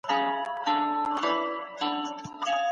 هغه د باطل په وړاندي درېدلی و.